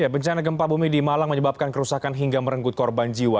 bencana gempa bumi di malang menyebabkan kerusakan hingga merenggut korban jiwa